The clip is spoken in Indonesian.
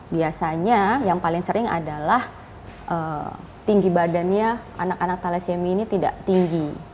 biasanya yang paling sering adalah tinggi badannya anak anak thalassemi ini tidak tinggi